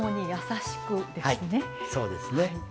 そうですね。